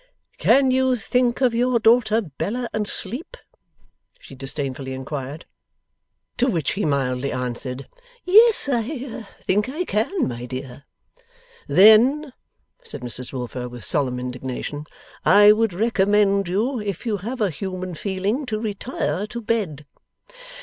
'Can you think of your daughter Bella, and sleep?' she disdainfully inquired. To which he mildly answered, 'Yes, I think I can, my dear.' 'Then,' said Mrs Wilfer, with solemn indignation, 'I would recommend you, if you have a human feeling, to retire to bed.